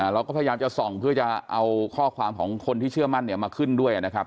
เราก็พยายามจะส่องเพื่อจะเอาข้อความของคนที่เชื่อมั่นมาขึ้นด้วยนะครับ